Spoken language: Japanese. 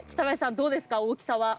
どうですか、大きさは。